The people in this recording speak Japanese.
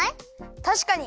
たしかに！